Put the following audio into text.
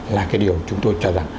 là cái điều chúng tôi cho rằng